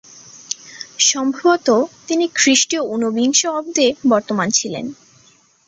সম্ভবত তিনি খ্রীষ্টীয় ঊনবিংশ অব্দে বর্তমান ছিলেন।